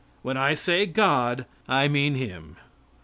When I say God, I mean Him.